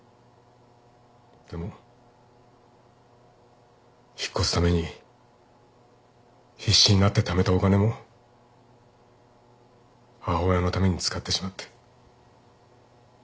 でも引っ越すために必死になってためたお金も母親のために使ってしまって。